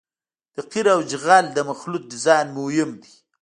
د قیر او جغل د مخلوط ډیزاین مهم دی